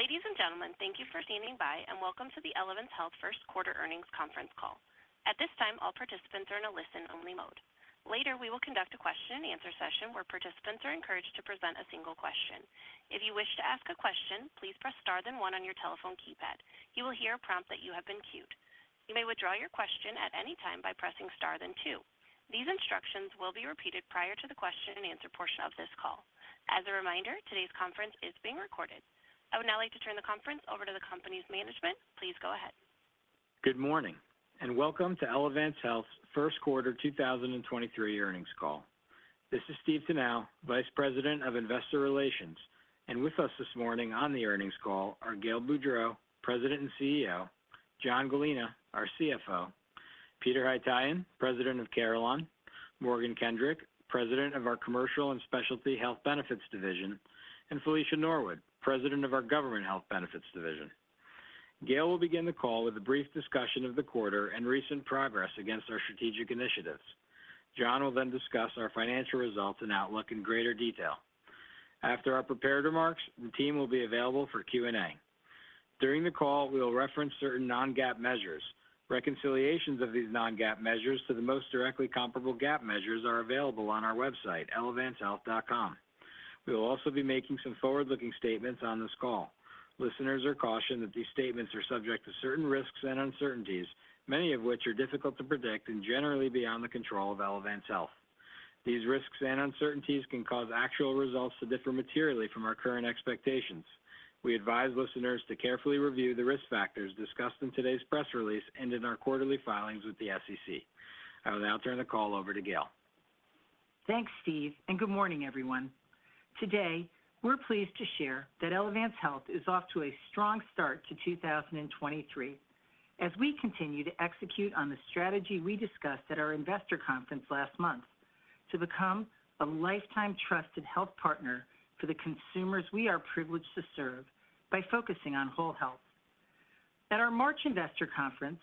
Ladies and gentlemen, thank you for standing by, and welcome to the Elevance Health First Quarter Earnings Conference Call. At this time, all participants are in a listen-only mode. Later, we will conduct a question and answer session where participants are encouraged to present a single question. If you wish to ask a question, please press star then one on your telephone keypad. You will hear a prompt that you have been queued. You may withdraw your question at any time by pressing star then two. These instructions will be repeated prior to the question and answer portion of this call. As a reminder, today's conference is being recorded. I would now like to turn the conference over to the company's management. Please go ahead. Good morning, and welcome to Elevance Health's first quarter 2023 earnings call. This is Steve Tanal, Vice President of Investor Relations. With us this morning on the earnings call are Gail Boudreaux, President and CEO, John Gallina, our CFO, Peter Haytaian, President of Carelon, Morgan Kendrick, President of our Commercial and Specialty Health Benefits Division, and Felicia Norwood, President of our Government Health Benefits Division. Gail will begin the call with a brief discussion of the quarter and recent progress against our strategic initiatives. John will discuss our financial results and outlook in greater detail. After our prepared remarks, the team will be available for Q&A. During the call, we will reference certain non-GAAP measures. Reconciliations of these non-GAAP measures to the most directly comparable GAAP measures are available on our website, elevancehealth.com. We will also be making some forward-looking statements on this call. Listeners are cautioned that these statements are subject to certain risks and uncertainties, many of which are difficult to predict and generally beyond the control of Elevance Health. These risks and uncertainties can cause actual results to differ materially from our current expectations. We advise listeners to carefully review the risk factors discussed in today's press release and in our quarterly filings with the SEC. I will now turn the call over to Gail. Thanks, Steve, and good morning, everyone. Today, we're pleased to share that Elevance Health is off to a strong start to 2023 as we continue to execute on the strategy we discussed at our investor conference last month to become a lifetime trusted health partner for the consumers we are privileged to serve by focusing on whole health. At our March investor conference,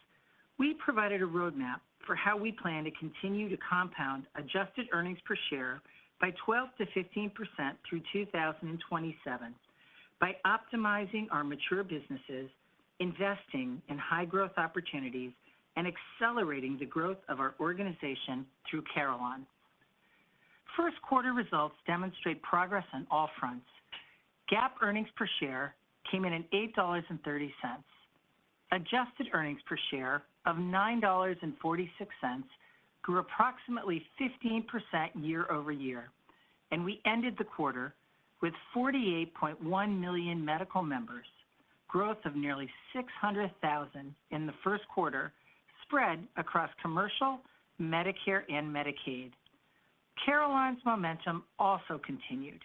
we provided a roadmap for how we plan to continue to compound adjusted earnings per share by 12%-15% through 2027 by optimizing our mature businesses, investing in high growth opportunities, and accelerating the growth of our organization through Carelon. First quarter results demonstrate progress on all fronts. GAAP earnings per share came in and $8.30. Adjusted earnings per share of $9.46 grew approximately 15% year-over-year, and we ended the quarter with 48.1 million medical members, growth of nearly 600,000 in the first quarter spread across commercial, Medicare, and Medicaid. Carelon's momentum also continued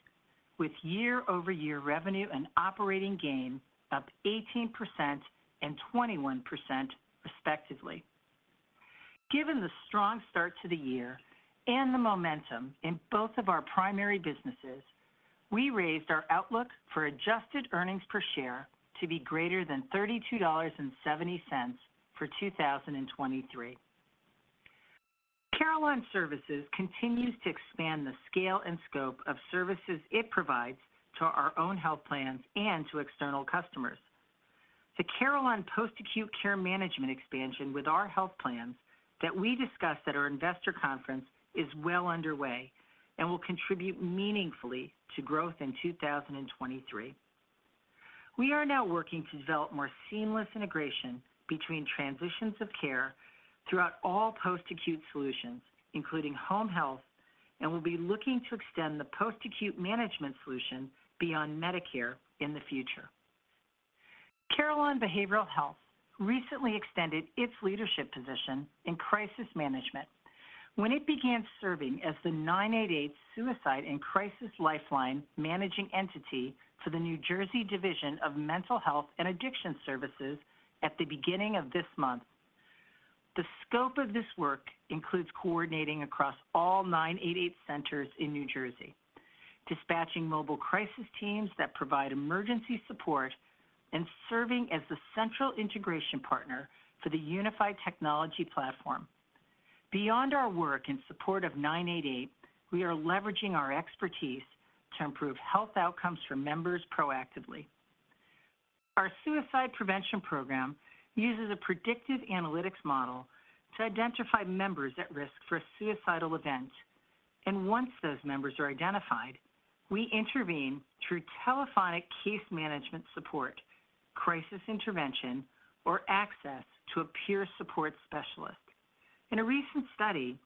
with year-over-year revenue and operating gain up 18% and 21% respectively. Given the strong start to the year and the momentum in both of our primary businesses, we raised our outlook for adjusted earnings per share to be greater than $32.70 for 2023. Carelon Services continues to expand the scale and scope of services it provides to our own health plans and to external customers. The Carelon Post-Acute Care Management expansion with our health plans that we discussed at our investor conference is well underway and will contribute meaningfully to growth in 2023. We are now working to develop more seamless integration between transitions of care throughout all post-acute solutions, including home health, and we'll be looking to extend the post-acute management solution beyond Medicare in the future. Carelon Behavioral Health recently extended its leadership position in crisis management when it began serving as the 988 Suicide & Crisis Lifeline managing entity for the New Jersey Division of Mental Health and Addiction Services at the beginning of this month. The scope of this work includes coordinating across all 988 centers in New Jersey, dispatching mobile crisis teams that provide emergency support, and serving as the central integration partner for the unified technology platform. Beyond our work in support of 988, we are leveraging our expertise to improve health outcomes for members proactively. Our suicide prevention program uses a predictive analytics model to identify members at risk for a suicidal event. Once those members are identified, we intervene through telephonic case management support, crisis intervention, or access to a peer support specialist. In a recent study,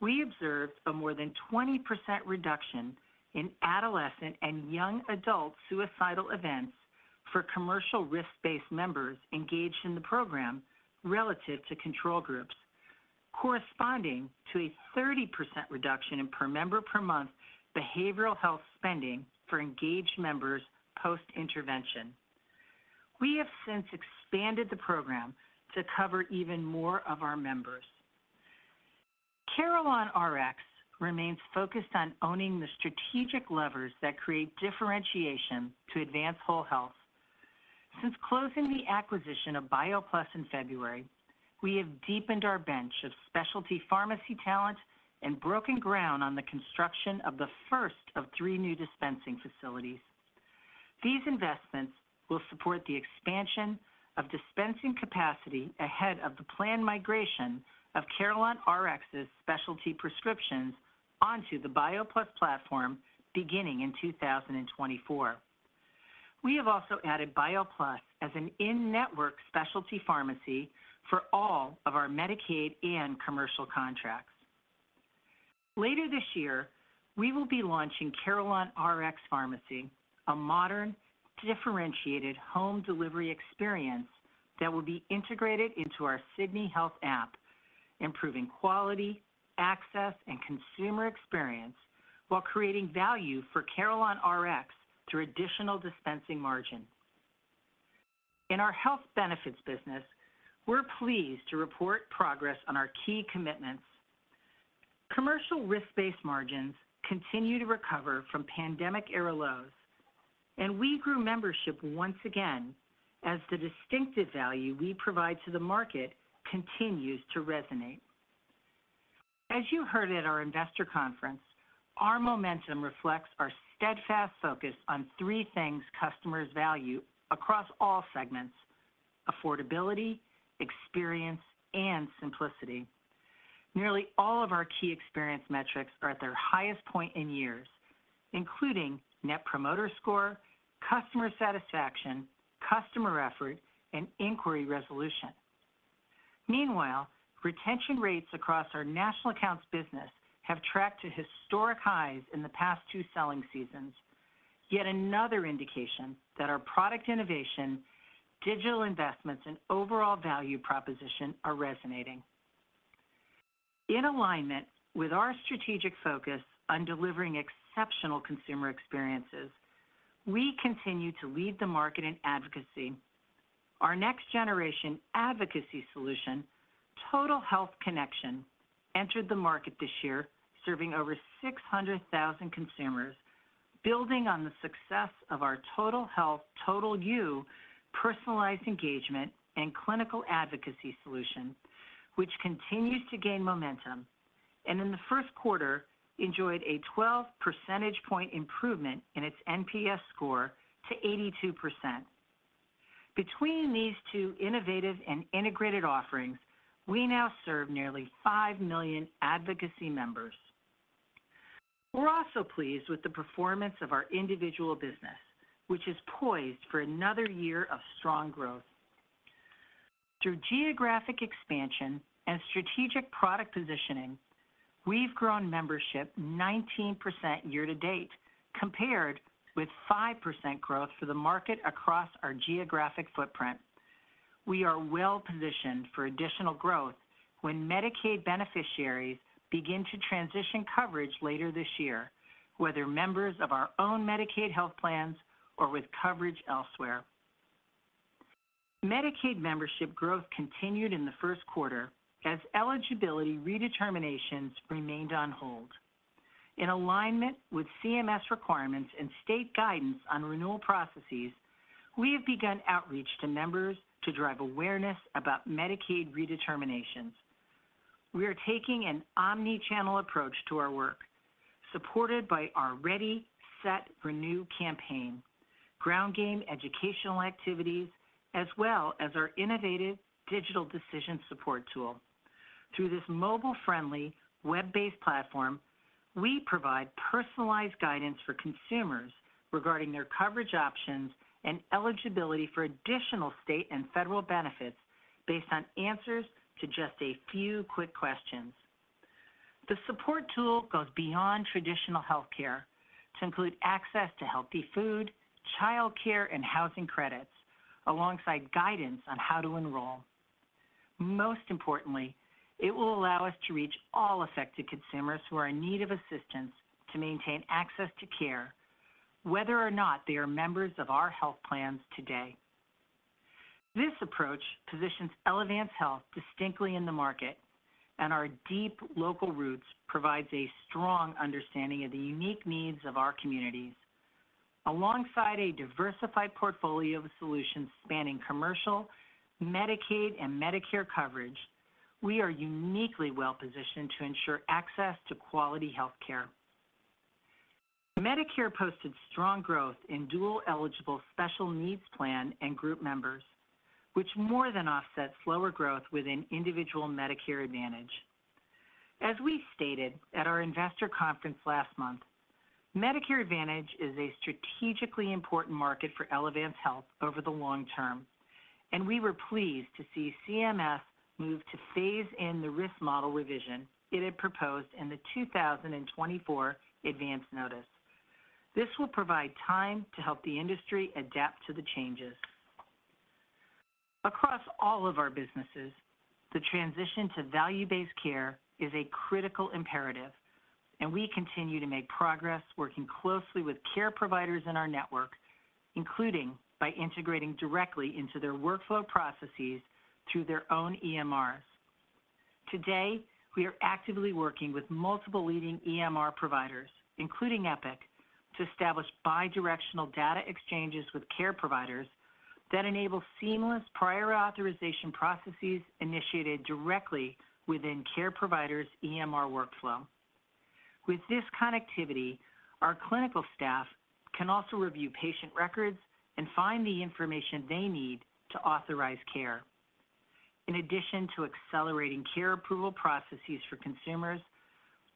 we observed a more than 20% reduction in adolescent and young adult suicidal events for commercial risk-based members engaged in the program relative to control groups, corresponding to a 30% reduction in per member per month behavioral health spending for engaged members post-intervention. We have since expanded the program to cover even more of our members. CarelonRx remains focused on owning the strategic levers that create differentiation to advance whole health. Since closing the acquisition of BioPlus in February, we have deepened our bench of specialty pharmacy talent and broken ground on the construction of the first of three new dispensing facilities. These investments will support the expansion of dispensing capacity ahead of the planned migration of CarelonRx's specialty prescriptions onto the BioPlus platform beginning in 2024. We have also added BioPlus as an in-network specialty pharmacy for all of our Medicaid and commercial contracts. Later this year, we will be launching CarelonRx Pharmacy, a modern, differentiated home delivery experience that will be integrated into our Sydney Health app, improving quality, access, and consumer experience while creating value for CarelonRx through additional dispensing margin. In our health benefits business, we're pleased to report progress on our key commitments. Commercial risk-based margins continue to recover from pandemic era lows, and we grew membership once again as the distinctive value we provide to the market continues to resonate. As you heard at our investor conference, our momentum reflects our steadfast focus on three things customers value across all segments: affordability, experience, and simplicity. Nearly all of our key experience metrics are at their highest point in years, including net promoter score, customer satisfaction, customer effort, and inquiry resolution. Meanwhile, retention rates across our national accounts business have tracked to historic highs in the past two selling seasons. Yet another indication that our product innovation, digital investments, and overall value proposition are resonating. In alignment with our strategic focus on delivering exceptional consumer experiences, we continue to lead the market in advocacy. Our next generation advocacy solution, Total Health Connection, entered the market this year serving over 600,000 consumers, building on the success of our Total Health, Total You personalized engagement and clinical advocacy solution, which continues to gain momentum. In the first quarter, enjoyed a 12 percentage point improvement in its NPS score to 82%. Between these two innovative and integrated offerings, we now serve nearly 5 million advocacy members. We're also pleased with the performance of our individual business, which is poised for another year of strong growth. Through geographic expansion and strategic product positioning, we've grown membership 19% year to date, compared with 5% growth for the market across our geographic footprint. We are well-positioned for additional growth when Medicaid beneficiaries begin to transition coverage later this year, whether members of our own Medicaid health plans or with coverage elsewhere. Medicaid membership growth continued in the first quarter as eligibility redeterminations remained on hold. In alignment with CMS requirements and state guidance on renewal processes, we have begun outreach to members to drive awareness about Medicaid redeterminations. We are taking an omni-channel approach to our work, supported by our Ready, Set, Renew campaign, ground game educational activities, as well as our innovative digital decision support tool. Through this mobile-friendly, web-based platform, we provide personalized guidance for consumers regarding their coverage options and eligibility for additional state and federal benefits based on answers to just a few quick questions. The support tool goes beyond traditional healthcare to include access to healthy food, childcare, and housing credits alongside guidance on how to enroll. Most importantly, it will allow us to reach all affected consumers who are in need of assistance to maintain access to care, whether or not they are members of our health plans today. This approach positions Elevance Health distinctly in the market. Our deep local roots provides a strong understanding of the unique needs of our communities. Alongside a diversified portfolio of solutions spanning commercial, Medicaid, and Medicare coverage, we are uniquely well-positioned to ensure access to quality healthcare. Medicare posted strong growth in dual-eligible Special Needs Plan and group members, which more than offset slower growth within individual Medicare Advantage. As we stated at our investor conference last month, Medicare Advantage is a strategically important market for Elevance Health over the long term. We were pleased to see CMS move to phase in the risk model revision it had proposed in the 2024 advance notice. This will provide time to help the industry adapt to the changes. Across all of our businesses, the transition to value-based care is a critical imperative. We continue to make progress working closely with care providers in our network, including by integrating directly into their workflow processes through their own EMRs. Today, we are actively working with multiple leading EMR providers, including Epic, to establish bi-directional data exchanges with care providers that enable seamless prior authorization processes initiated directly within care providers' EMR workflow. With this connectivity, our clinical staff can also review patient records and find the information they need to authorize care. In addition to accelerating care approval processes for consumers,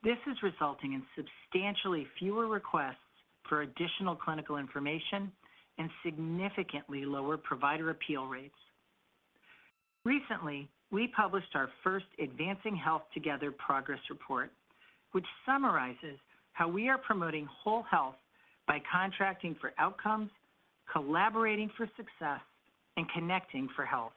this is resulting in substantially fewer requests for additional clinical information and significantly lower provider appeal rates. Recently, we published our first Advancing Health Together progress report, which summarizes how we are promoting whole health by contracting for outcomes, collaborating for success, and connecting for health.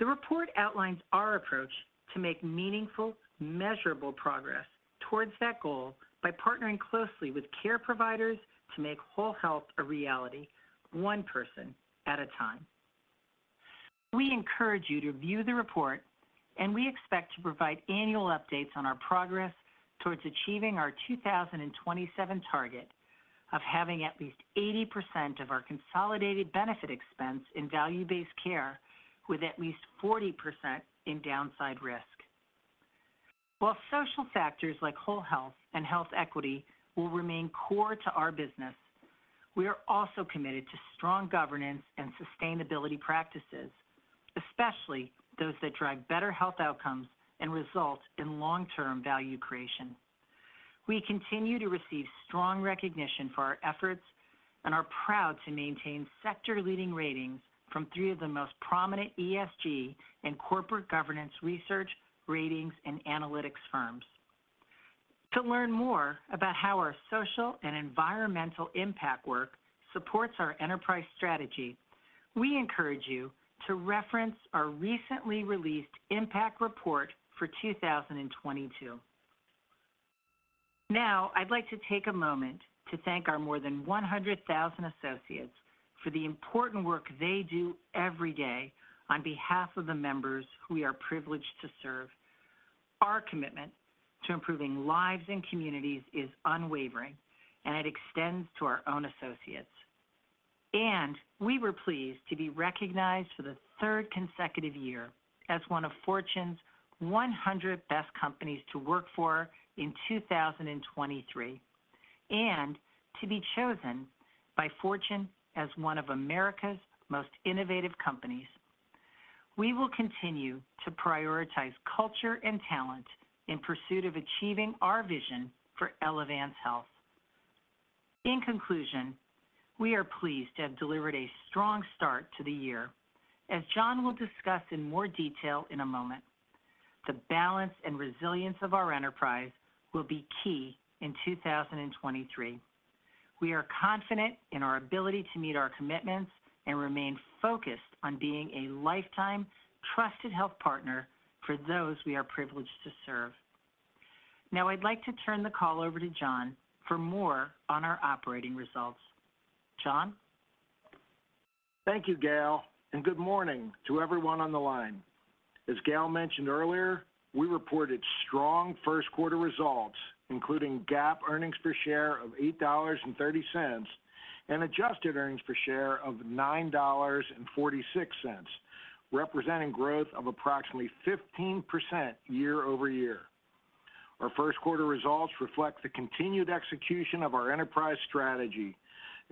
The report outlines our approach to make meaningful, measurable progress towards that goal by partnering closely with care providers to make whole health a reality one person at a time. We encourage you to view the report. We expect to provide annual updates on our progress towards achieving our 2027 target of having at least 80% of our consolidated benefit expense in value-based care with at least 40% in downside risk. While social factors like whole health and health equity will remain core to our business, we are also committed to strong governance and sustainability practices, especially those that drive better health outcomes and result in long-term value creation. We continue to receive strong recognition for our efforts and are proud to maintain sector leading ratings from three of the most prominent ESG and corporate governance research, ratings, and analytics firms. To learn more about how our social and environmental impact work supports our enterprise strategy, we encourage you to reference our recently released impact report for 2022. Now, I'd like to take a moment to thank our more than 100,000 associates for the important work they do every day on behalf of the members who we are privileged to serve. Our commitment to improving lives and communities is unwavering, and it extends to our own associates. We were pleased to be recognized for the third consecutive year as one of Fortune's 100 Best Companies to Work For in 2023, and to be chosen by Fortune as one of America's Most Innovative Companies. We will continue to prioritize culture and talent in pursuit of achieving our vision for Elevance Health. In conclusion, we are pleased to have delivered a strong start to the year. As John will discuss in more detail in a moment, the balance and resilience of our enterprise will be key in 2023. We are confident in our ability to meet our commitments and remain focused on being a lifetime trusted health partner for those we are privileged to serve. Now, I'd like to turn the call over to John for more on our operating results. John? Thank you, Gail. Good morning to everyone on the line. As Gail mentioned earlier, we reported strong first quarter results, including GAAP earnings per share of $8.30. Adjusted earnings per share of $9.46, representing growth of approximately 15% year-over-year. Our first quarter results reflect the continued execution of our enterprise strategy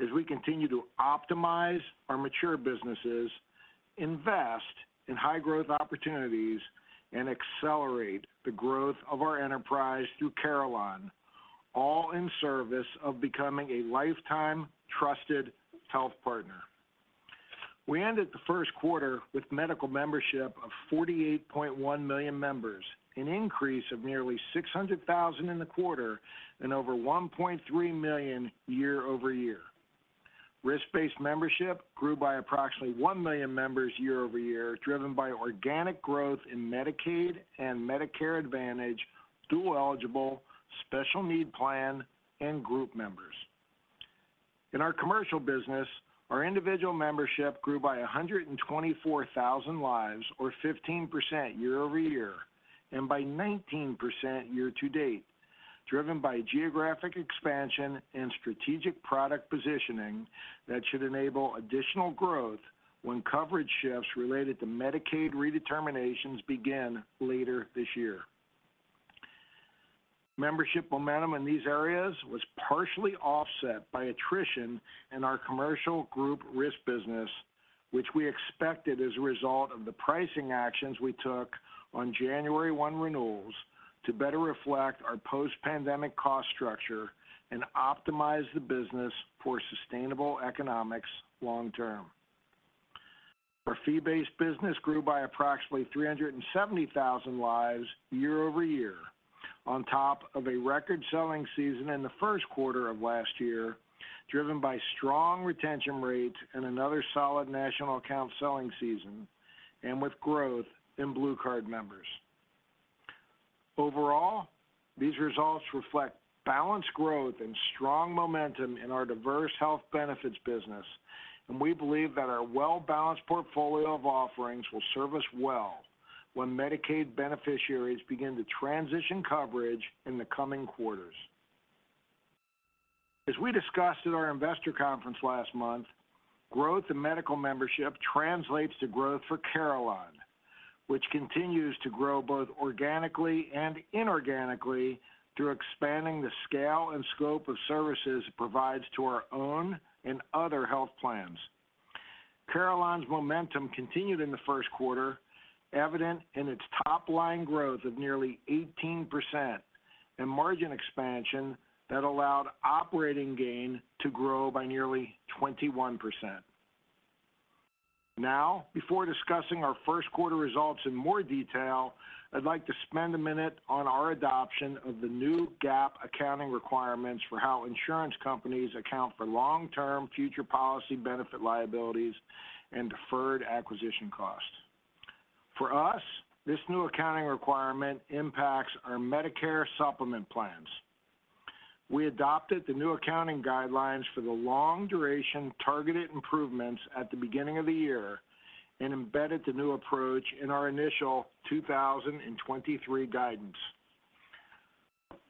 as we continue to optimize our mature businesses, invest in high growth opportunities, and accelerate the growth of our enterprise through Carelon, all in service of becoming a lifetime trusted health partner. We ended the first quarter with medical membership of 48.1 million members, an increase of nearly 600,000 in the quarter and over 1.3 million year-over-year. Risk-based membership grew by approximately 1 million members year-over-year, driven by organic growth in Medicaid and Medicare Advantage, dual eligible, special need plan, and group members. In our commercial business, our individual membership grew by 124,000 lives or 15% year-over-year, and by 19% year to date, driven by geographic expansion and strategic product positioning that should enable additional growth when coverage shifts related to Medicaid redeterminations begin later this year. Membership momentum in these areas was partially offset by attrition in our commercial group risk business, which we expected as a result of the pricing actions we took on January 1 renewals to better reflect our post-pandemic cost structure and optimize the business for sustainable economics long term. Our fee-based business grew by approximately 370,000 lives year over year on top of a record selling season in the first quarter of last year, driven by strong retention rates and another solid national account selling season, and with growth in BlueCard members. Overall, these results reflect balanced growth and strong momentum in our diverse health benefits business, and we believe that our well-balanced portfolio of offerings will serve us well when Medicaid beneficiaries begin to transition coverage in the coming quarters. As we discussed at our investor conference last month, growth in medical membership translates to growth for Carelon, which continues to grow both organically and inorganically through expanding the scale and scope of services it provides to our own and other health plans. Carelon's momentum continued in the first quarter, evident in its top line growth of nearly 18% and margin expansion that allowed operating gain to grow by nearly 21%. Now, before discussing our first quarter results in more detail, I'd like to spend a minute on our adoption of the new GAAP accounting requirements for how insurance companies account for long-term future policy benefit liabilities and deferred acquisition costs. For us, this new accounting requirement impacts our Medicare supplement plans. We adopted the new accounting guidelines for the long-duration targeted improvements at the beginning of the year and embedded the new approach in our initial 2023 guidance.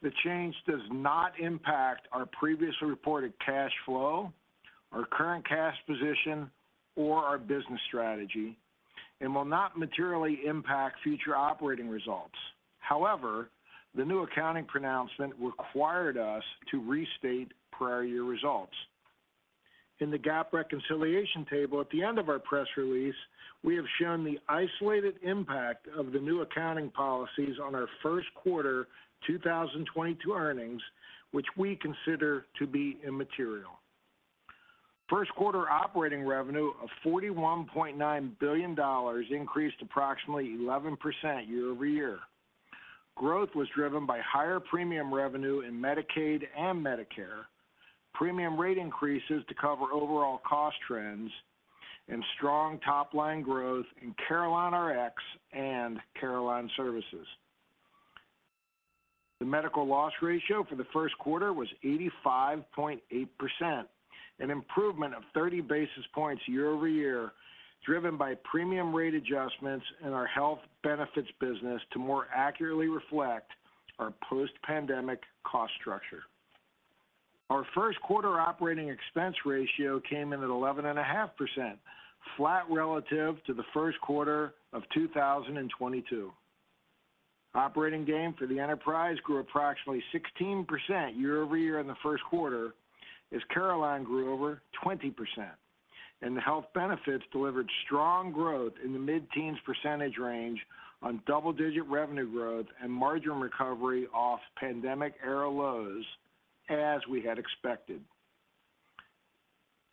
The change does not impact our previously reported cash flow, our current cash position, or our business strategy, and will not materially impact future operating results. However, the new accounting pronouncement required us to restate prior year results. In the GAAP reconciliation table at the end of our press release, we have shown the isolated impact of the new accounting policies on our first quarter 2022 earnings, which we consider to be immaterial. First quarter operating revenue of $41.9 billion increased approximately 11% year-over-year. Growth was driven by higher premium revenue in Medicaid and Medicare, premium rate increases to cover overall cost trends, and strong top-line growth in CarelonRx and Carelon Services. The medical loss ratio for the first quarter was 85.8%, an improvement of 30 basis points year-over-year, driven by premium rate adjustments in our health benefits business to more accurately reflect our post-pandemic cost structure. Our first quarter operating expense ratio came in at 11.5%, flat relative to the first quarter of 2022. Operating gain for the enterprise grew approximately 16% year-over-year in the first quarter as Carelon grew over 20%, and the health benefits delivered strong growth in the mid-teens percentage range on double-digit revenue growth and margin recovery off pandemic era lows, as we had expected.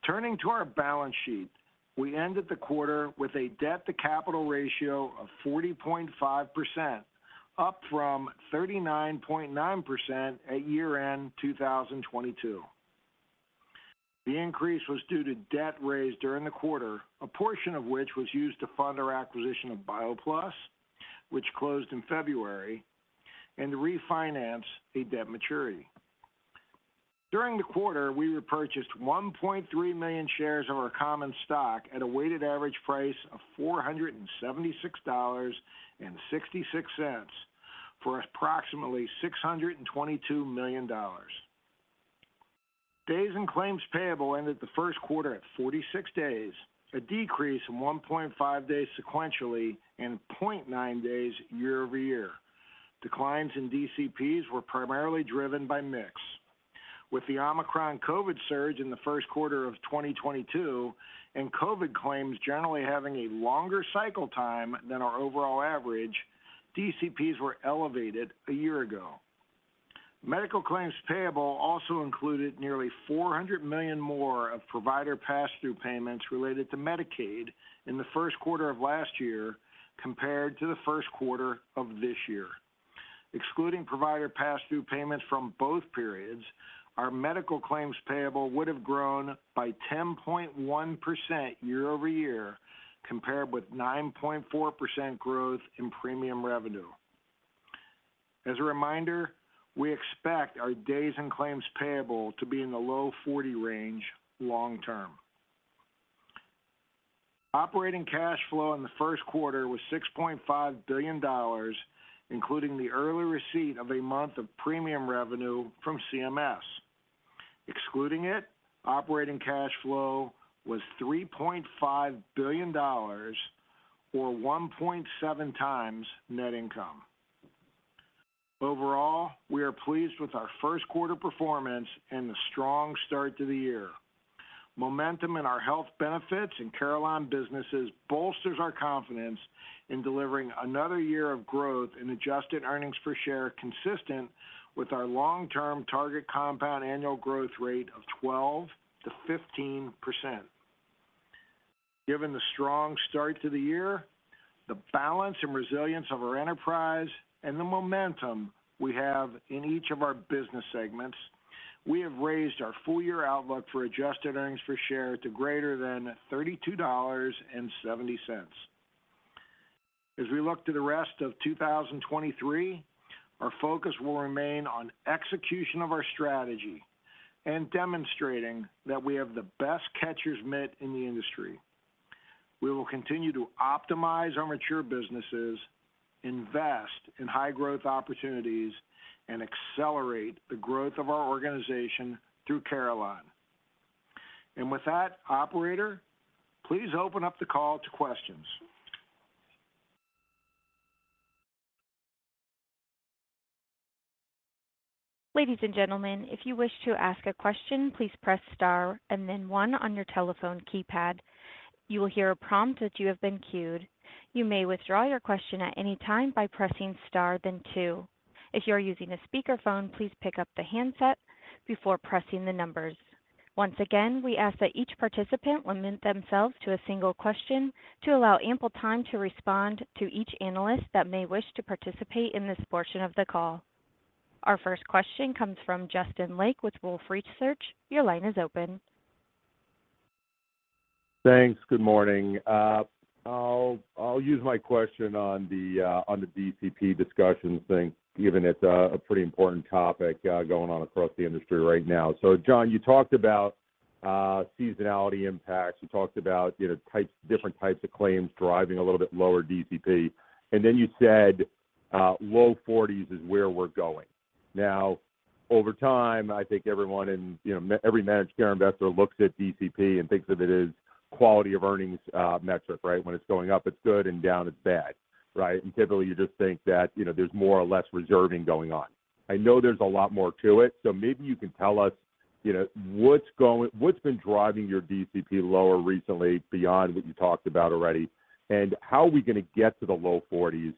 Turning to our balance sheet, we ended the quarter with a debt-to-capital ratio of 40.5%, up from 39.9% at year-end 2022. The increase was due to debt raised during the quarter, a portion of which was used to fund our acquisition of BioPlus, which closed in February, and to refinance a debt maturity. During the quarter, we repurchased 1.3 million shares of our common stock at a weighted average price of $476.66 for approximately $622 million. Days in claims payable ended the first quarter at 46 days, a decrease from 1.5 days sequentially and 0.9 days year-over-year. Declines in DCPs were primarily driven by mix. With the Omicron COVID surge in the first quarter of 2022 and COVID claims generally having a longer cycle time than our overall average, DCPs were elevated a year ago. Medical claims payable also included nearly $400 million more of provider passthrough payments related to Medicaid in the first quarter of last year compared to the first quarter of this year. Excluding provider passthrough payments from both periods, our medical claims payable would have grown by 10.1% year-over-year, compared with 9.4% growth in premium revenue. As a reminder, we expect our days in claims payable to be in the low 40 range long term. Operating cash flow in the first quarter was $6.5 billion, including the early receipt of a month of premium revenue from CMS. Excluding it, operating cash flow was $3.5 billion or 1.7 times net income. Overall, we are pleased with our first quarter performance and the strong start to the year. Momentum in our health benefits and Carelon businesses bolsters our confidence in delivering another year of growth in adjusted earnings per share consistent with our long-term target compound annual growth rate of 12%-15%. Given the strong start to the year, the balance and resilience of our enterprise, and the momentum we have in each of our business segments. We have raised our full year outlook for adjusted earnings per share to greater than $32.70. As we look to the rest of 2023, our focus will remain on execution of our strategy and demonstrating that we have the best catcher's mitt in the industry. We will continue to optimize our mature businesses, invest in high growth opportunities, and accelerate the growth of our organization through Carelon. With that operator, please open up the call to questions. Ladies and gentlemen, if you wish to ask a question, please press star and then 1 on your telephone keypad. You will hear a prompt that you have been queued. You may withdraw your question at any time by pressing star then two. If you are using a speakerphone, please pick up the handset before pressing the numbers. Once again, we ask that each participant limit themselves to a single question to allow ample time to respond to each analyst that may wish to participate in this portion of the call. Our first question comes from Justin Lake with Wolfe Research. Your line is open. Thanks. Good morning. I'll use my question on the on the DCP discussion thing, given it's a pretty important topic going on across the industry right now. John, you talked about seasonality impacts. You talked about, you know, different types of claims driving a little bit lower DCP, and then you said, low forties is where we're going. Over time, I think everyone in, you know, every managed care investor looks at DCP and thinks of it as quality of earnings metric, right? When it's going up, it's good, and down it's bad, right? Typically, you just think that, you know, there's more or less reserving going on. I know there's a lot more to it, so maybe you can tell us, you know, what's been driving your DCP lower recently beyond what you talked about already, and how are we gonna get to the low 40s?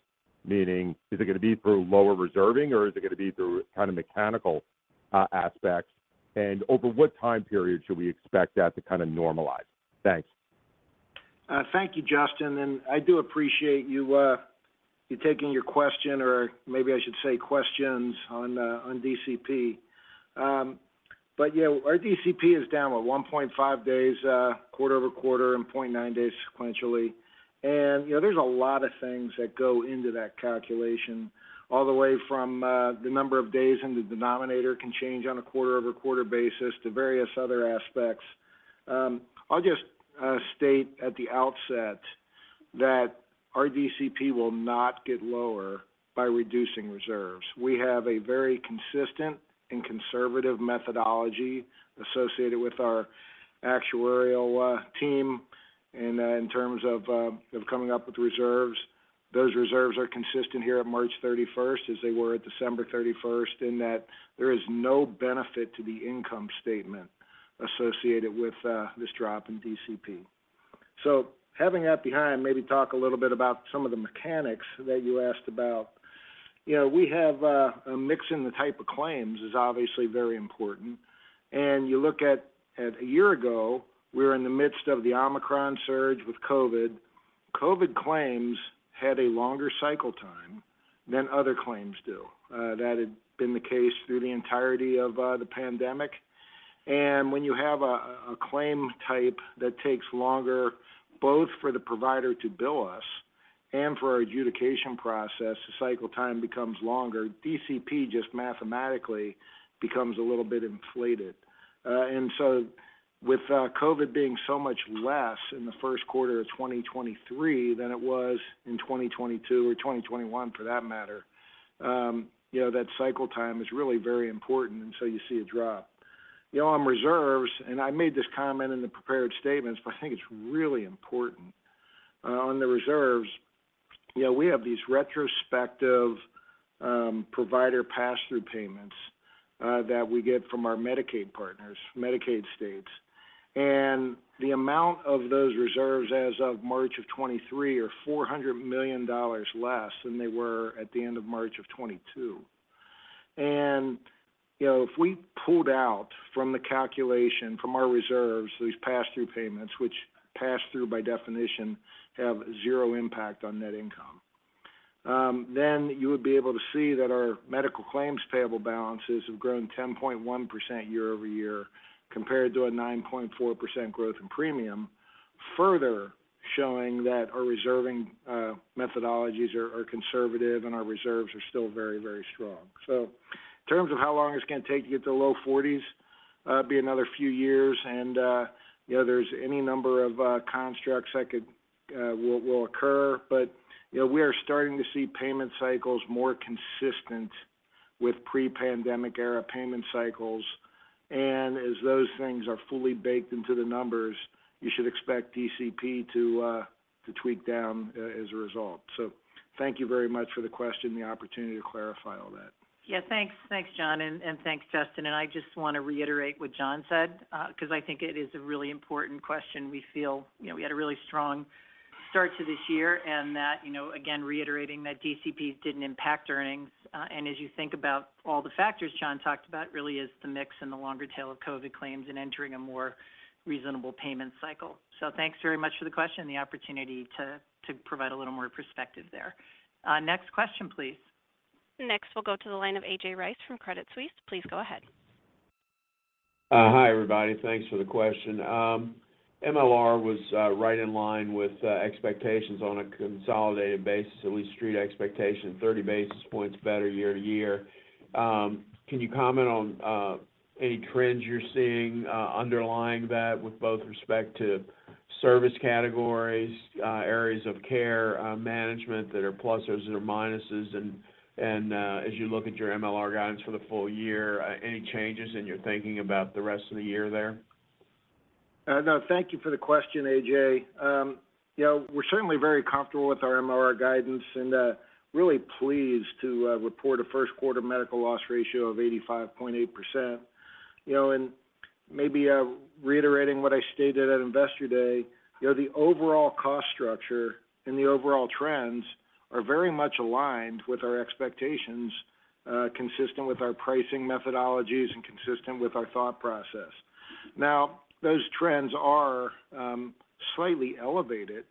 Meaning is it gonna be through lower reserving, or is it gonna be through kind of mechanical aspects? Over what time period should we expect that to kind of normalize? Thanks. Thank you, Justin. I do appreciate you taking your question or maybe I should say questions on DCP. Yeah, our DCP is down by 1.5 days quarter-over-quarter and 0.9 days sequentially. You know, there's a lot of things that go into that calculation all the way from the number of days in the denominator can change on a quarter-over-quarter basis to various other aspects. I'll just state at the outset that our DCP will not get lower by reducing reserves. We have a very consistent and conservative methodology associated with our actuarial team in terms of coming up with reserves. Those reserves are consistent here at 31 March as they were at 31 December in that there is no benefit to the income statement associated with this drop in DCP. Having that behind, maybe talk a little bit about some of the mechanics that you asked about. You know, we have a mix in the type of claims is obviously very important. You look at a year ago, we were in the midst of the Omicron surge with COVID. COVID claims had a longer cycle time than other claims do. That had been the case through the entirety of the pandemic. When you have a claim type that takes longer both for the provider to bill us and for our adjudication process, the cycle time becomes longer. DCP just mathematically becomes a little bit inflated. With COVID being so much less in the first quarter of 2023 than it was in 2022 or 2021 for that matter, you know, that cycle time is really very important. You see a drop. You know, on reserves, and I made this comment in the prepared statements, but I think it's really important. On the reserves, you know, we have these retrospective provider pass-through payments that we get from our Medicaid partners, Medicaid states. The amount of those reserves as of March of 2023 are $400 million less than they were at the end of March of 2022. You know, if we pulled out from the calculation from our reserves, these pass-through payments, which pass-through by definition have zero impact on net income, then you would be able to see that our medical claims payable balances have grown 10.1% year-over-year compared to a 9.4% growth in premium, further showing that our reserving methodologies are conservative and our reserves are still very, very strong. In terms of how long it's gonna take to get to low 40s, it'd be another few years. You know, there's any number of constructs that could will occur. You know, we are starting to see payment cycles more consistent with pre-pandemic era payment cycles. As those things are fully baked into the numbers, you should expect DCP to tweak down as a result. Thank you very much for the question, the opportunity to clarify all that. Yeah, thanks. Thanks, John, and thanks, Justin. I just wanna reiterate what John said, 'cause I think it is a really important question. We feel, you know, we had a really strong start to this year, and that, you know, again, reiterating that DCP didn't impact earnings. As you think about all the factors John talked about really is the mix and the longer tail of COVID claims and entering a more reasonable payment cycle. Thanks very much for the question, the opportunity to provide a little more perspective there. Next question, please. Next, we'll go to the line of A.J. Rice from Credit Suisse. Please go ahead. Hi, everybody. Thanks for the question. MLR was right in line with expectations on a consolidated basis, at least street expectation, 30 basis points better year-to-year. Can you comment on any trends you're seeing underlying that with both respect to service categories, areas of care, management that are pluses or minuses? As you look at your MLR guidance for the full year, any changes in your thinking about the rest of the year there? No. Thank you for the question, A.J. You know, we're certainly very comfortable with our MLR guidance, and really pleased to report a first quarter medical loss ratio of 85.8%. You know, and maybe reiterating what I stated at Investor Day, you know, the overall cost structure and the overall trends are very much aligned with our expectations, consistent with our pricing methodologies and consistent with our thought process. Those trends are slightly elevated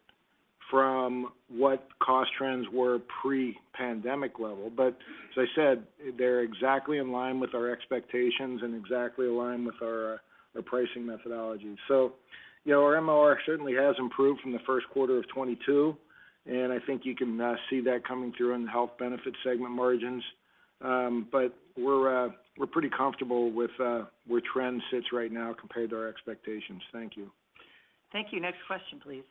from what cost trends were pre-pandemic level. As I said, they're exactly in line with our expectations and exactly aligned with our pricing methodology. You know, our MLR certainly has improved from the first quarter of 2022, and I think you can see that coming through in the health benefit segment margins. We're pretty comfortable with where trend sits right now compared to our expectations. Thank you. Thank you. Next question, please.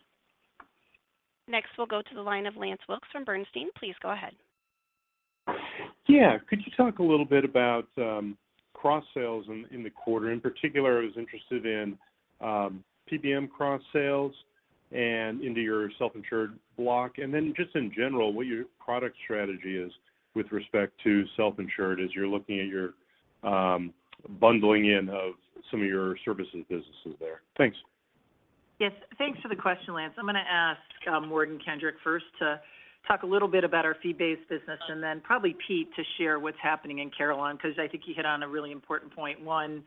Next, we'll go to the line of Lance Wilkes from Bernstein. Please go ahead. Yeah. Could you talk a little bit about cross sales in the quarter? In particular, I was interested in PBM cross sales and into your self-insured block. Just in general, what your product strategy is with respect to self-insured as you're looking at your bundling in of some of your services businesses there. Thanks. Yes. Thanks for the question, Lance. I'm gonna ask Morgan Kendrick first to talk a little bit about our fee-based business, and then probably Pete to share what's happening in Carelon, because I think he hit on a really important point. One,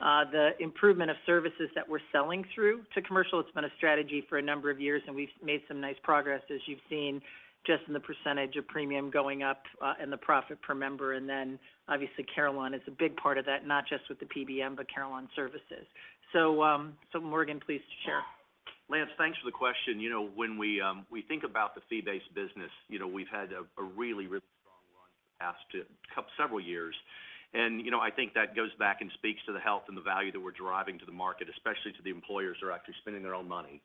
the improvement of services that we're selling through to commercial, it's been a strategy for a number of years, and we've made some nice progress as you've seen just in the % of premium going up, and the profit per member. Obviously, Carelon is a big part of that, not just with the PBM, but Carelon Services. Morgan, please share. Lance, thanks for the question. You know, when we think about the fee-based business, you know, we've had a really, really strong run for the past several years. You know, I think that goes back and speaks to the health and the value that we're driving to the market, especially to the employers who are actually spending their own money.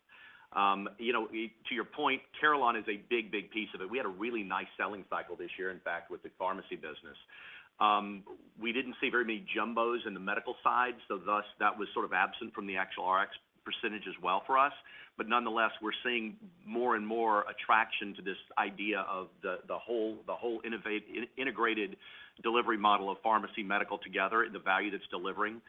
You know, to your point, Carelon is a big piece of it. We had a really nice selling cycle this year, in fact, with the pharmacy business. We didn't see very many jumbos in the medical side, thus that was sort of absent from the actual RX % as well for us. Nonetheless, we're seeing more and more attraction to this idea of the whole, the whole integrated delivery model of pharmacy medical together and the value that's delivering.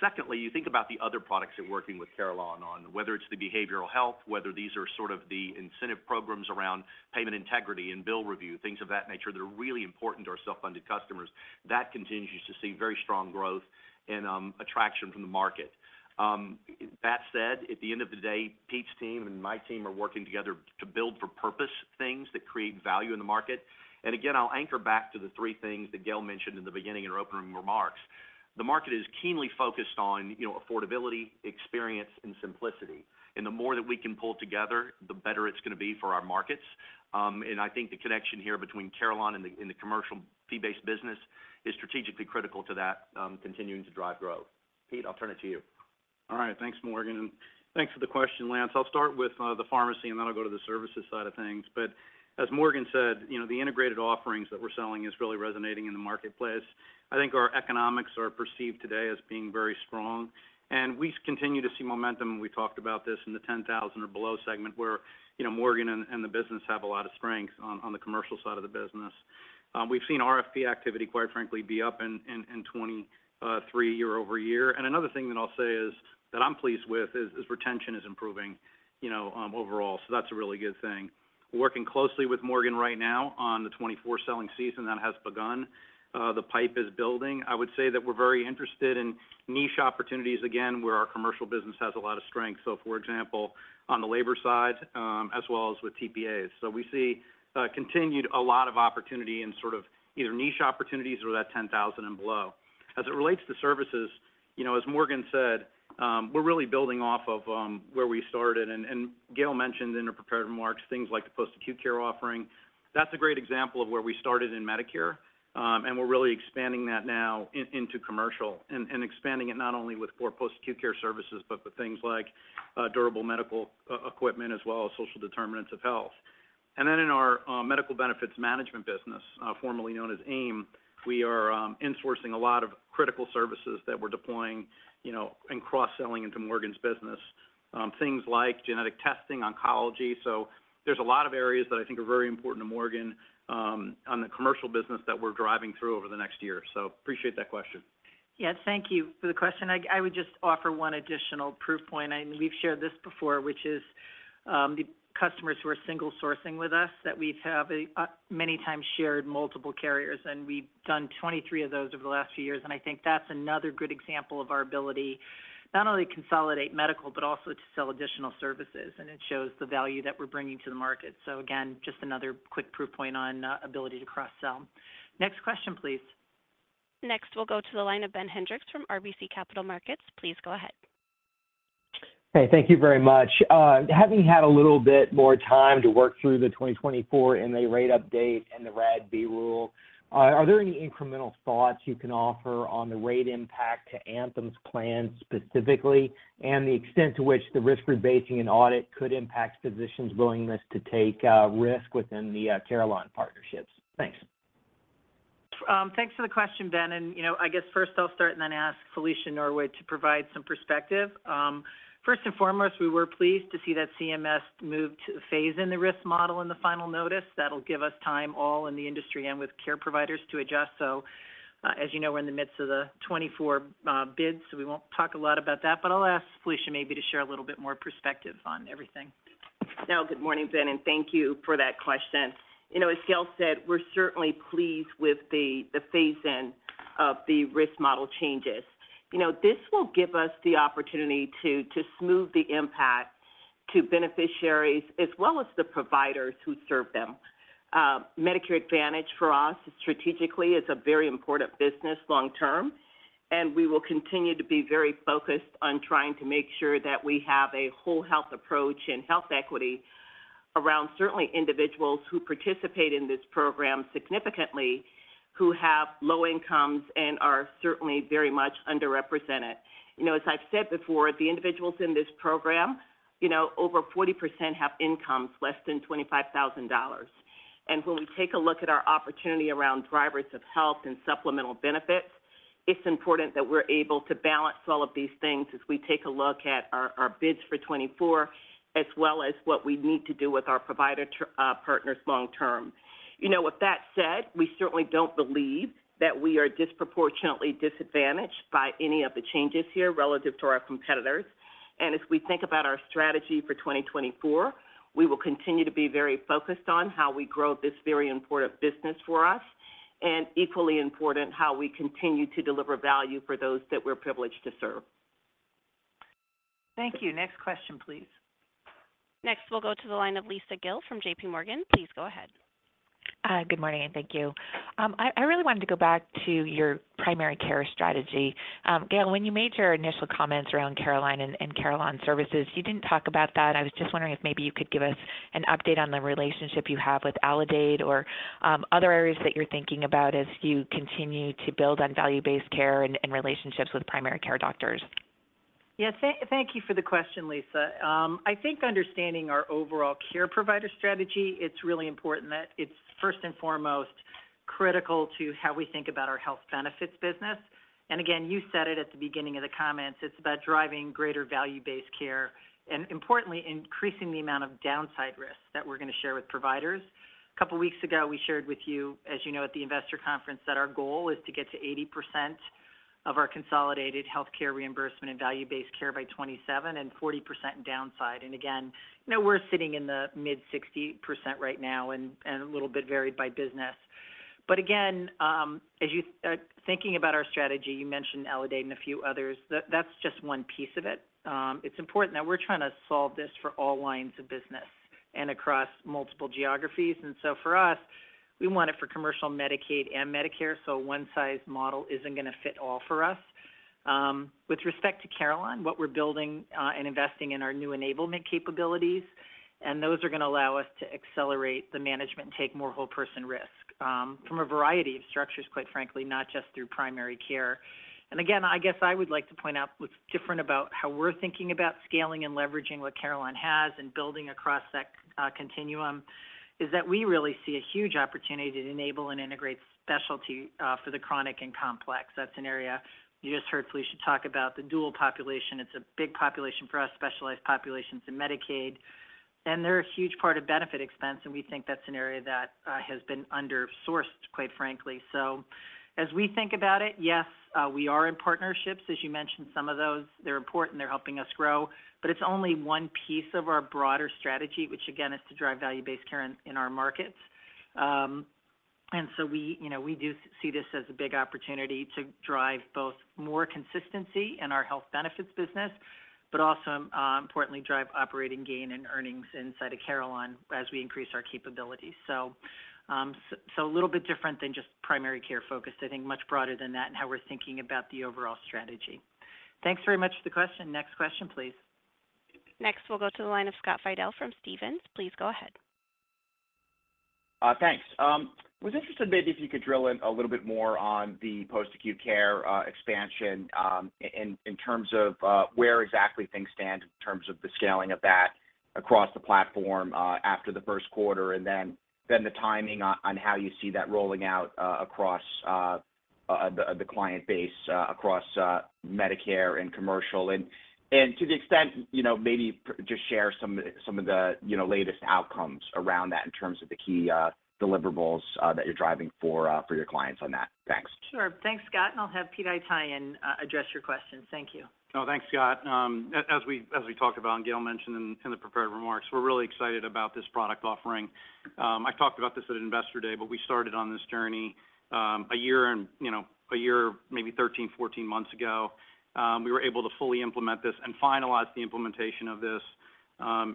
Secondly, you think about the other products that working with Carelon on, whether it's the behavioral health, whether these are sort of the incentive programs around payment integrity and bill review, things of that nature that are really important to our self-funded customers, that continues to see very strong growth and attraction from the market. That said, at the end of the day, Pete's team and my team are working together to build for purpose things that create value in the market. Again, I'll anchor back to the three things that Gail mentioned in the beginning in her opening remarks. The market is keenly focused on, you know, affordability, experience, and simplicity. The more that we can pull together, the better it's gonna be for our markets. I think the connection here between Carelon and the commercial fee-based business is strategically critical to that, continuing to drive growth. Pete, I'll turn it to you. All right. Thanks, Morgan. Thanks for the question, Lance. I'll start with the pharmacy, and then I'll go to the services side of things. As Morgan said, you know, the integrated offerings that we're selling is really resonating in the marketplace. I think our economics are perceived today as being very strong, and we continue to see momentum. We talked about this in the 10,000 or below segment where, you know, Morgan and the business have a lot of strength on the commercial side of the business. We've seen RFP activity, quite frankly, be up in 2023 year-over-year. Another thing that I'll say is that I'm pleased with is retention is improving, you know, overall. That's a really good thing. Working closely with Morgan right now on the 2024 selling season that has begun. The pipe is building. I would say that we're very interested in niche opportunities, again, where our commercial business has a lot of strength. For example, on the labor side, as well as with TPAs. We see continued a lot of opportunity in sort of either niche opportunities or that 10,000 and below. As it relates to services, you know, as Morgan said, we're really building off of where we started. Gail mentioned in her prepared remarks things like the post-acute care offering. That's a great example of where we started in Medicare, and we're really expanding that now into commercial and expanding it not only with for post-acute care services, but with things like durable medical equipment as well as social determinants of health. In our medical benefits management business, formerly known as AIM, we are insourcing a lot of critical services that we're deploying, you know, and cross-selling into Morgan's business, things like genetic testing, oncology. There's a lot of areas that I think are very important to Morgan on the commercial business that we're driving through over the next year. Appreciate that question. Yeah. Thank you for the question. I would just offer one additional proof point, and we've shared this before, which is the customers who are single sourcing with us that we've have many times shared multiple carriers, and we've done 23 of those over the last few years. I think that's another good example of our ability not only consolidate medical, but also to sell additional services, and it shows the value that we're bringing to the market. Again, just another quick proof point on ability to cross-sell. Next question, please. Next, we'll go to the line of Ben Hendrix from RBC Capital Markets. Please go ahead. Hey, thank you very much. Having had a little bit more time to work through the 2024 and the rate update and the RADV rule, are there any incremental thoughts you can offer on the rate impact to Anthem's plan specifically, and the extent to which the risk rebasing and audit could impact physicians' willingness to take risk within the Carelon partnerships? Thanks. Thanks for the question, Ben. You know, I guess first I'll start and then ask Felicia Norwood to provide some perspective. First and foremost, we were pleased to see that CMS moved to phase in the risk model in the final notice. That'll give us time all in the industry and with care providers to adjust. As you know, we're in the midst of the 24 bids, so we won't talk a lot about that, but I'll ask Felicia maybe to share a little bit more perspective on everything. No, good morning, Ben, and thank you for that question. You know, as Gail said, we're certainly pleased with the phase-in of the risk model changes. You know, this will give us the opportunity to smooth the impact to beneficiaries as well as the providers who serve them. Medicare Advantage, for us strategically, is a very important business long term, and we will continue to be very focused on trying to make sure that we have a whole health approach and health equity around certainly individuals who participate in this program significantly, who have low incomes and are certainly very much underrepresented. You know, as I've said before, the individuals in this program, you know, over 40% have incomes less than $25,000. When we take a look at our opportunity around drivers of health and supplemental benefits, it's important that we're able to balance all of these things as we take a look at our bids for 2024 as well as what we need to do with our provider partners long term. You know, with that said, we certainly don't believe that we are disproportionately disadvantaged by any of the changes here relative to our competitors. As we think about our strategy for 2024, we will continue to be very focused on how we grow this very important business for us, and equally important, how we continue to deliver value for those that we're privileged to serve. Thank you. Next question, please. Next, we'll go to the line of Lisa Gill from J.P. Morgan. Please go ahead. Good morning, and thank you. I really wanted to go back to your primary care strategy. Gail, when you made your initial comments around Carelon and Carelon Services, you didn't talk about that. I was just wondering if maybe you could give us an update on the relationship you have with Aledade or, other areas that you're thinking about as you continue to build on value-based care and relationships with primary care doctors? Yeah, thank you for the question, Lisa. I think understanding our overall care provider strategy, it's really important that it's first and foremost critical to how we think about our health benefits business. Again, you said it at the beginning of the comments, it's about driving greater value-based care and importantly, increasing the amount of downside risks that we're gonna share with providers. Couple weeks ago, we shared with you, as you know, at the investor conference, that our goal is to get to 80% of our consolidated healthcare reimbursement and value-based care by 2027 and 40% downside. Again, you know, we're sitting in the mid-60% right now and a little bit varied by business. Again, as you thinking about our strategy, you mentioned Aledade and a few others. That's just one piece of it. It's important that we're trying to solve this for all lines of business and across multiple geographies. For us, we want it for commercial Medicaid and Medicare, so one size model isn't gonna fit all for us. With respect to Carelon, what we're building and investing in are new enablement capabilities, and those are gonna allow us to accelerate the management and take more whole person risk from a variety of structures, quite frankly, not just through primary care. Again, I guess I would like to point out what's different about how we're thinking about scaling and leveraging what Carelon has and building across that continuum, is that we really see a huge opportunity to enable and integrate specialty for the chronic and complex. That's an area you just heard Felicia talk about, the dual population. It's a big population for us, specialized populations in Medicaid, and they're a huge part of benefit expense, and we think that has been under-sourced, quite frankly. As we think about it, yes, we are in partnerships, as you mentioned, some of those, they're important, they're helping us grow, but it's only one piece of our broader strategy, which again, is to drive value-based care in our markets. We, you know, we do see this as a big opportunity to drive both more consistency in our health benefits business, but also, importantly, drive operating gain and earnings inside of Carelon as we increase our capabilities. A little bit different than just primary care focused, I think much broader than that and how we're thinking about the overall strategy. Thanks very much for the question. Next question, please. Next, we'll go to the line of Scott Fidel from Stephens. Please go ahead. Thanks. Was interested maybe if you could drill in a little bit more on the post-acute care expansion in terms of where exactly things stand in terms of the scaling of that across the platform after the first quarter, and then the timing on how you see that rolling out across the client base across Medicare and commercial. To the extent, you know, maybe just share some of the, you know, latest outcomes around that in terms of the key deliverables that you're driving for your clients on that. Thanks. Sure. Thanks, Scott. I'll have Peter Haytaian address your question. Thank you. No, thanks, Scott. As we talked about, and Gail mentioned in the prepared remarks, we're really excited about this product offering. I talked about this at Investor Day, we started on this journey a year, maybe 13, 14 months ago. We were able to fully implement this and finalize the implementation of this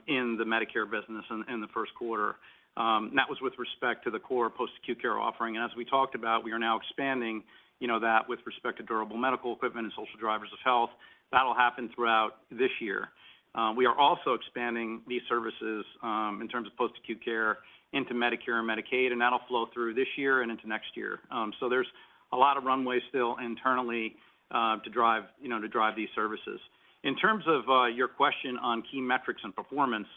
in the Medicare business in the first quarter. That was with respect to the core post-acute care offering. As we talked about, we are now expanding that with respect to durable medical equipment and social drivers of health. That'll happen throughout this year. We are also expanding these services in terms of post-acute care into Medicare and Medicaid, that'll flow through this year and into next year. There's a lot of runway still internally, to drive, you know, to drive these services. In terms of, your question on key metrics and performance,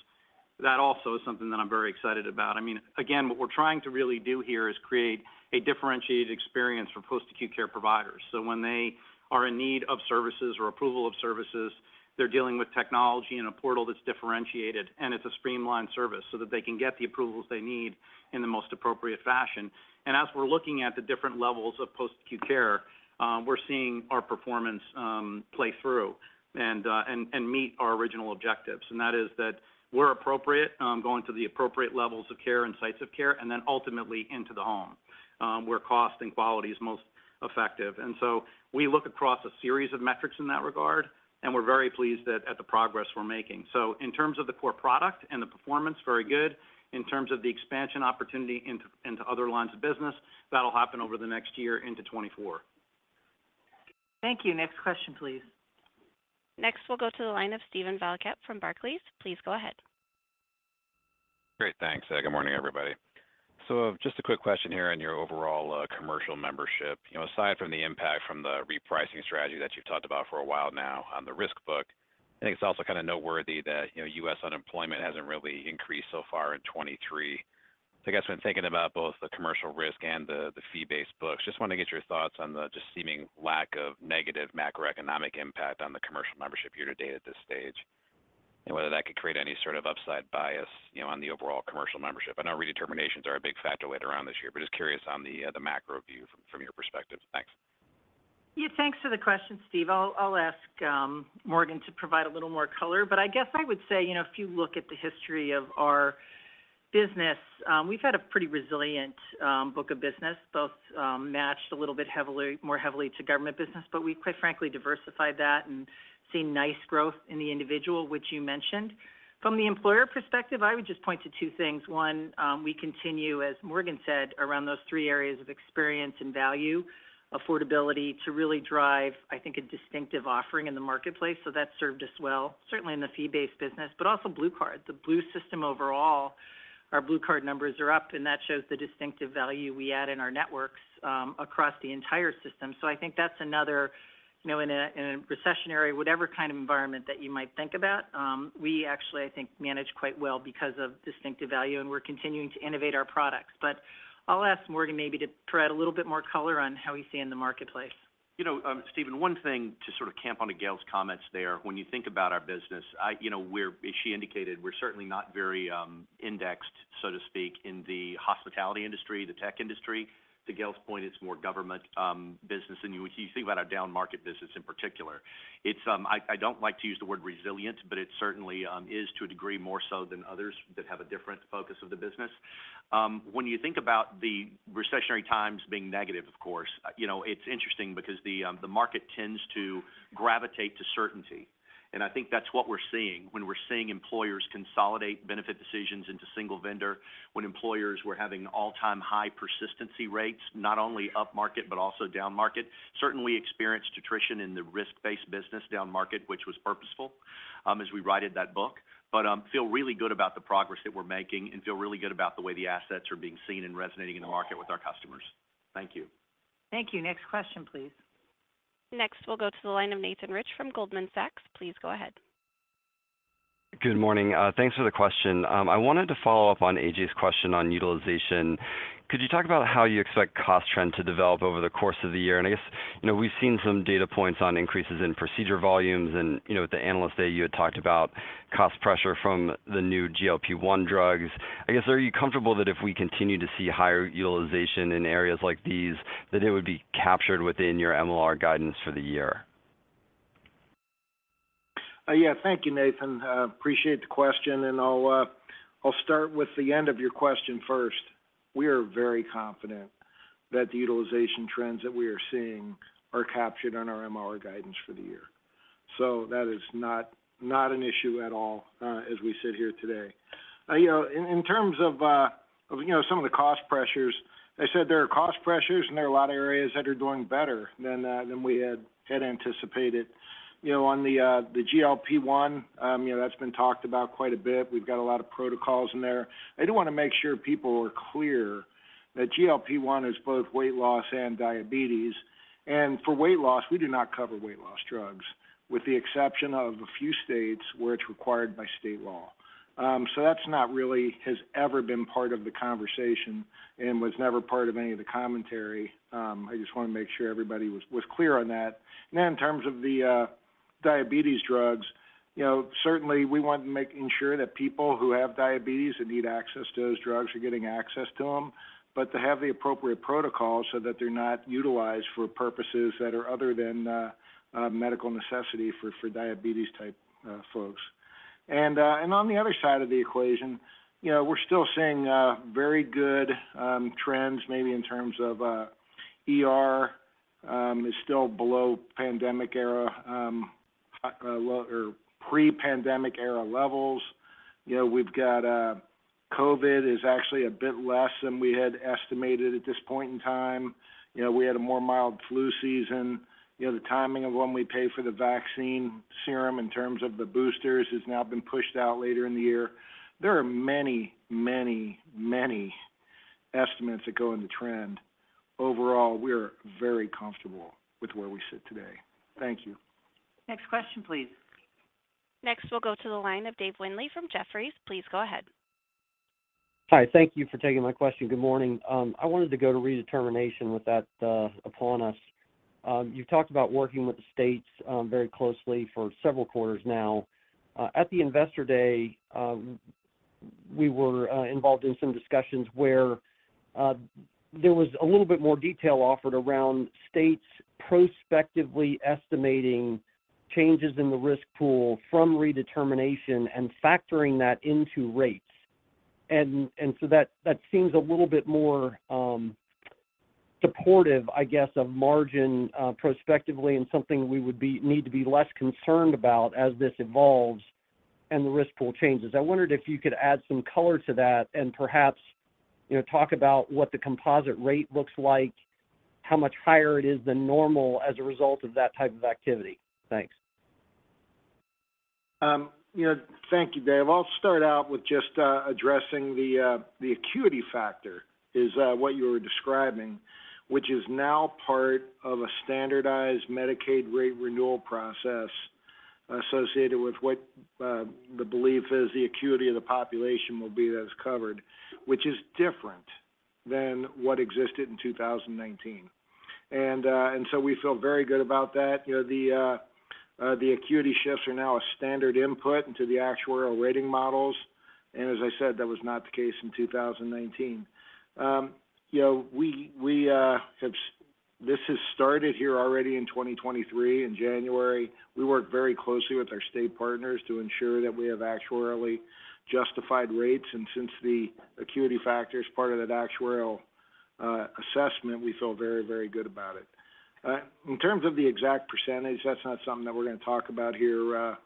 that also is something that I'm very excited about. I mean, again, what we're trying to really do here is create a differentiated experience for post-acute care providers. So when they are in need of services or approval of services, they're dealing with technology in a portal that's differentiated, and it's a streamlined service so that they can get the approvals they need in the most appropriate fashion. As we're looking at the different levels of post-acute care, we're seeing our performance, play through and meet our original objectives. That is that we're appropriate, going to the appropriate levels of care and sites of care, and then ultimately into the home, where cost and quality is most effective. We look across a series of metrics in that regard, and we're very pleased at the progress we're making. In terms of the core product and the performance, very good. In terms of the expansion opportunity into other lines of business, that'll happen over the next year into 2024. Thank you. Next question, please. Next, we'll go to the line of Steven Valiquette from Barclays. Please go ahead. Great. Thanks. Good morning, everybody. just a quick question here on your overall commercial membership. You know, aside from the impact from the repricing strategy that you've talked about for a while now on the risk book, I think it's also kind of noteworthy that, you know, U.S. unemployment hasn't really increased so far in 2023. I guess, when thinking about both the commercial risk and the fee-based books, just want to get your thoughts on the just seeming lack of negative macroeconomic impact on the commercial membership year to date at this stage, and whether that could create any sort of upside bias, you know, on the overall commercial membership. I know redeterminations are a big factor later on this year, but just curious on the macro view from your perspective. Thanks. Yeah, thanks for the question, Steve. I'll ask Morgan to provide a little more color. I guess I would say, you know, if you look at the history of our business, we've had a pretty resilient book of business, both matched a little bit heavily, more heavily to government business, but we quite frankly diversified that and seen nice growth in the individual, which you mentioned. From the employer perspective, I would just point to two things. One, we continue, as Morgan said, around those three areas of experience and value, affordability to really drive, I think, a distinctive offering in the marketplace. That's served us well, certainly in the fee-based business, but also BlueCard. The Blue system overall, our BlueCard numbers are up, and that shows the distinctive value we add in our networks across the entire system. I think that's another, you know, in a, in a recessionary, whatever kind of environment that you might think about, we actually, I think, manage quite well because of distinctive value, and we're continuing to innovate our products. I'll ask Morgan maybe to provide a little bit more color on how he's seeing the marketplace. You know, Steven, one thing to sort of camp on Gail Boudreaux's comments there, when you think about our business, you know, we're, as she indicated, we're certainly not very indexed, so to speak, in the hospitality industry, the tech industry. To Gail Boudreaux's point, it's more government business, and you think about our down market business in particular. It's, I don't like to use the word resilient, but it certainly is to a degree more so than others that have a different focus of the business. When you think about the recessionary times being negative, of course, you know, it's interesting because the market tends to gravitate to certainty, and I think that's what we're seeing when we're seeing employers consolidate benefit decisions into single vendor, when employers were having all-time high persistency rates, not only up market, but also down market. Certainly experienced attrition in the risk-based business down market, which was purposeful, as we righted that book. Feel really good about the progress that we're making and feel really good about the way the assets are being seen and resonating in the market with our customers. Thank you. Thank you. Next question, please. Next, we'll go to the line of Nathan Rich from Goldman Sachs. Please go ahead. Good morning. Thanks for the question. I wanted to follow up on A.J.'s question on utilization. Could you talk about how you expect cost trend to develop over the course of the year? I guess, you know, we've seen some data points on increases in procedure volumes and, you know, at the analyst day, you had talked about cost pressure from the new GLP-1 drugs. I guess, are you comfortable that if we continue to see higher utilization in areas like these, that it would be captured within your MLR guidance for the year? Yeah. Thank you, Nathan. Appreciate the question. I'll start with the end of your question first. We are very confident that the utilization trends that we are seeing are captured on our MLR guidance for the year. That is not an issue at all as we sit here today. You know, in terms of, you know, some of the cost pressures, I said there are cost pressures, there are a lot of areas that are doing better than we had anticipated. You know, on the GLP-1, you know, that's been talked about quite a bit. We've got a lot of protocols in there. I do wanna make sure people are clear that GLP-1 is both weight loss and diabetes. For weight loss, we do not cover weight loss drugs, with the exception of a few states where it's required by state law. That's not really has ever been part of the conversation and was never part of any of the commentary. I just wanna make sure everybody was clear on that. In terms of the diabetes drugs, you know, certainly we want making sure that people who have diabetes and need access to those drugs are getting access to them, but to have the appropriate protocols so that they're not utilized for purposes that are other than medical necessity for diabetes type folks. On the other side of the equation, you know, we're still seeing very good trends maybe in terms of ER, is still below pandemic era or pre-pandemic era levels. You know, we've got COVID is actually a bit less than we had estimated at this point in time. You know, we had a more mild flu season. You know, the timing of when we pay for the vaccine series in terms of the boosters has now been pushed out later in the year. There are many estimates that go in the trend. Overall, we're very comfortable with where we sit today. Thank you. Next question, please. Next, we'll go to the line of Dave Windley from Jefferies. Please go ahead. Hi. Thank you for taking my question. Good morning. I wanted to go to redetermination with that upon us. You talked about working with the states very closely for several quarters now. At the Investor Day, we were involved in some discussions where there was a little bit more detail offered around states prospectively estimating changes in the risk pool from redetermination and factoring that into rates. That seems a little bit more supportive, I guess, of margin prospectively and something we need to be less concerned about as this evolves and the risk pool changes. I wondered if you could add some color to that and perhaps, you know, talk about what the composite rate looks like, how much higher it is than normal as a result of that type of activity. Thanks. You know, thank you, Dave. I'll start out with just addressing the acuity factor is what you were describing, which is now part of a standardized Medicaid rate renewal process associated with what the belief is the acuity of the population will be that's covered, which is different than what existed in 2019. We feel very good about that. You know, the acuity shifts are now a standard input into the actuarial rating models. As I said, that was not the case in 2019. You know, we, this has started here already in 2023. In January, we worked very closely with our state partners to ensure that we have actuarially justified rates. Since the acuity factor is part of that actuarial assessment, we feel very, very good about it. In terms of the exact percentage, that's not something that we're going to talk about here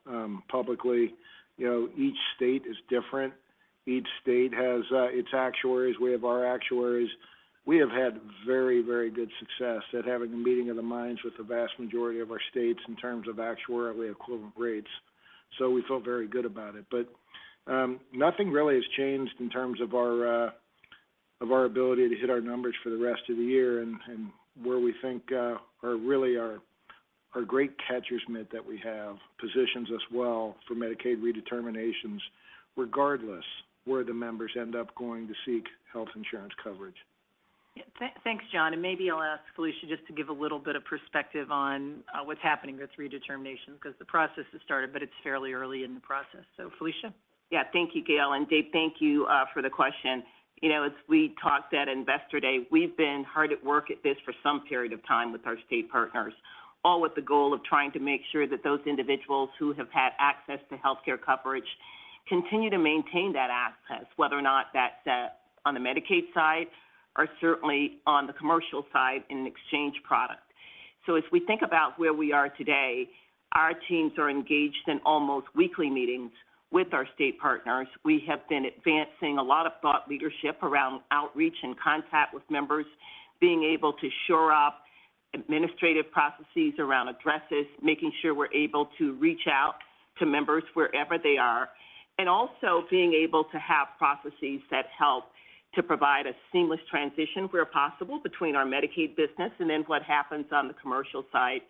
publicly. You know, each state is different. Each state has its actuaries. We have our actuaries. We have had very, very good success at having a meeting of the minds with the vast majority of our states in terms of actuarially equivalent rates. We feel very good about it. Nothing really has changed in terms of our ability to hit our numbers for the rest of the year and where we think, or really our great catcher's mitt that we have positions us well for Medicaid redeterminations, regardless where the members end up going to seek health insurance coverage. Yeah. Thanks, John. Maybe I'll ask Felicia just to give a little bit of perspective on what's happening with redeterminations, 'cause the process has started, but it's fairly early in the process. Felicia? Yeah. Thank you, Gail. Dave, thank you, for the question. You know, as we talked at Investor Day, we've been hard at work at this for some period of time with our state partners, all with the goal of trying to make sure that those individuals who have had access to healthcare coverage continue to maintain that access, whether or not that's, on the Medicaid side or certainly on the commercial side in an exchange product. As we think about where we are today, our teams are engaged in almost weekly meetings with our state partners. We have been advancing a lot of thought leadership around outreach and contact with members, being able to shore up administrative processes around addresses, making sure we're able to reach out to members wherever they are, also being able to have processes that help to provide a seamless transition where possible between our Medicaid business and then what happens on the commercial side.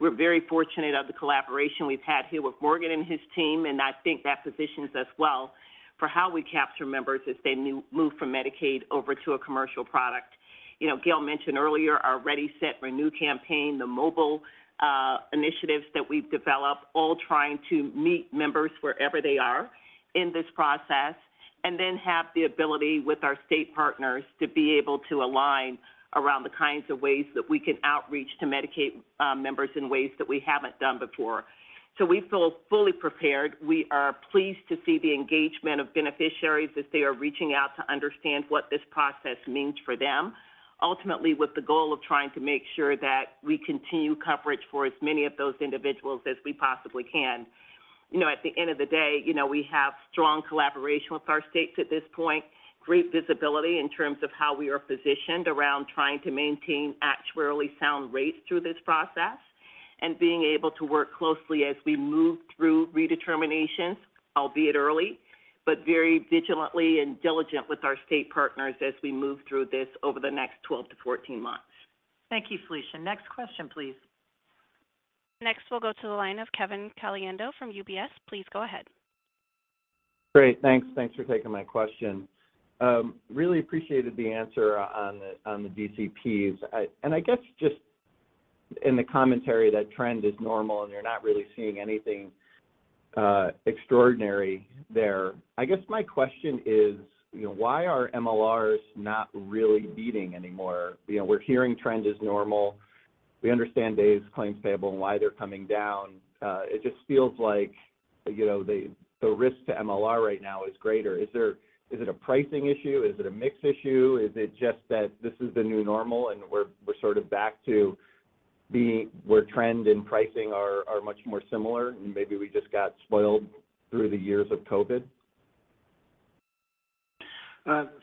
We're very fortunate of the collaboration we've had here with Morgan and his team, I think that positions us well for how we capture members as they move from Medicaid over to a commercial product. You know, Gail mentioned earlier our Ready, Set, Renew campaign, the mobile initiatives that we've developed, all trying to meet members wherever they are in this process, and then have the ability with our state partners to be able to align around the kinds of ways that we can outreach to Medicaid members in ways that we haven't done before. We feel fully prepared. We are pleased to see the engagement of beneficiaries as they are reaching out to understand what this process means for them, ultimately with the goal of trying to make sure that we continue coverage for as many of those individuals as we possibly can. You know, at the end of the day, you know, we have strong collaboration with our states at this point, great visibility in terms of how we are positioned around trying to maintain actuarially sound rates through this process, and being able to work closely as we move through redeterminations, albeit early, but very vigilantly and diligent with our state partners as we move through this over the next 12-14 months. Thank you, Felicia. Next question, please. Next, we'll go to the line of Kevin Caliendo from UBS. Please go ahead. Great. Thanks. Thanks for taking my question. Really appreciated the answer on the DCPs. I guess just in the commentary that trend is normal, and you're not really seeing anything extraordinary there. I guess my question is, you know, why are MLRs not really beating anymore? You know, we're hearing trend is normal. We understand days claims payable and why they're coming down. It just feels like you know, the risk to MLR right now is greater. Is it a pricing issue? Is it a mix issue? Is it just that this is the new normal and we're sort of back to being where trend and pricing are much more similar, and maybe we just got spoiled through the years of COVID?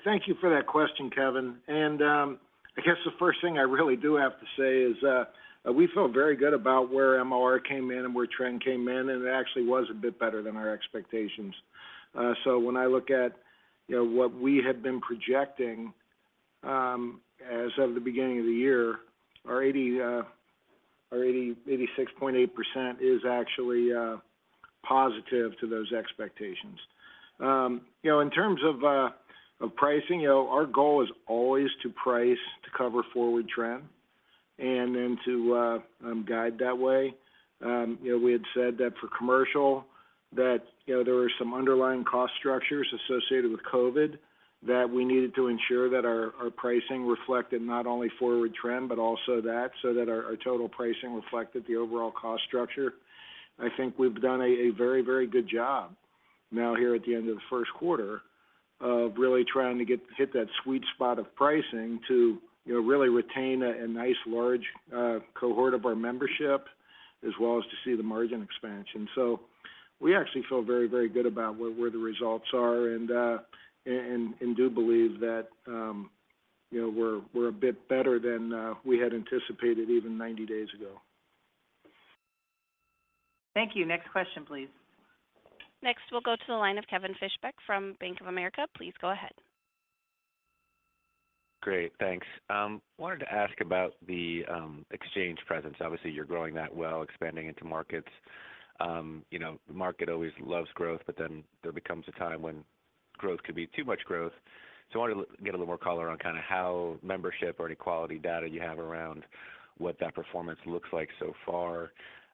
Thank you for that question, Kevin. I guess the first thing I really do have to say is, we feel very good about where MLR came in and where trend came in, and it actually was a bit better than our expectations. When I look at, you know, what we had been projecting, as of the beginning of the year, our 86.8% is actually positive to those expectations. You know, in terms of pricing, you know, our goal is always to price to cover forward trend and then to guide that way. You know, we had said that for commercial that, you know, there were some underlying cost structures associated with COVID that we needed to ensure that our pricing reflected not only forward trend but also that, so that our total pricing reflected the overall cost structure. I think we've done a very, very good job now here at the end of the first quarter of really trying to get to hit that sweet spot of pricing to, you know, really retain a nice large cohort of our membership as well as to see the margin expansion. We actually feel very, very good about where the results are and do believe that, you know, we're a bit better than we had anticipated even 90 days ago. Thank you. Next question, please. Next, we'll go to the line of Kevin Fischbeck from Bank of America. Please go ahead. Great. Thanks. wanted to ask about the exchange presence. Obviously, you're growing that well, expanding into markets. you know, the market always loves growth, but then there becomes a time when growth could be too much growth. I wanted to get a little more color on kind of how membership or any quality data you have around what that performance looks like so far.